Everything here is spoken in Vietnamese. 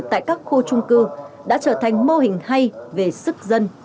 tại các khu trung cư đã trở thành mô hình hay về sức dân